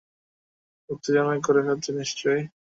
উত্তেজনায় করে ফেলেছে নিশ্চয়ই।